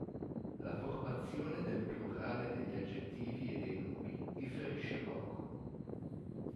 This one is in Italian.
La formazione del plurale degli aggettivi e dei nomi differisce poco.